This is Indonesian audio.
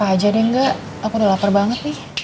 aja deh enggak aku udah lapar banget nih